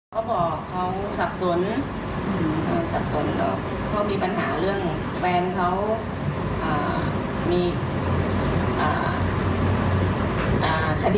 เขาบอกเขาสับสนก็มีปัญหาเรื่องแฟนเขามี